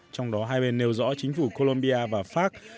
trong đó hai bên nêu rõ chính phủ colombia và pháp